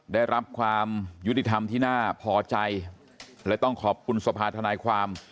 ได้รับความยุติธรรมที่น่าพอใจและต้องขอบคุณสภาธนายความ